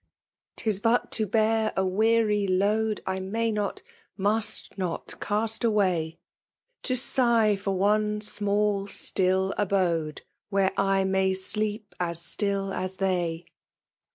Tb but to bear a weary load I may not, must not cast away; — To sigh for one small still abode Wfaeve I may alcep aa stiU as they.